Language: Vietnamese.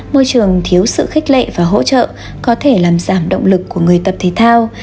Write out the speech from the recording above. môi trường thiếu sự khích lệ và hỗ trợ có thể làm giảm động lực của người tập thể thao